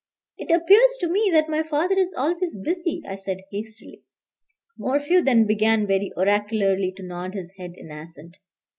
"It appears to me that my father is always busy," I said hastily. Morphew then began very oracularly to nod his head in assent.